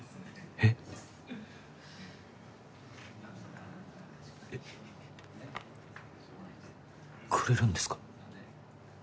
えっくれるんですか？